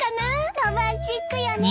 ロマンチックよね。